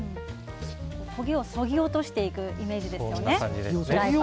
焦げをそげ落としていくイメージですよね。